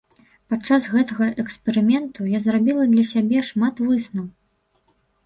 Падчас гэтага эксперыменту я зрабіла для сябе шмат высноў.